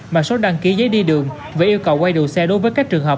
mà số đăng ký giấy đi đường về yêu cầu quay đồ xe đối với các trường hợp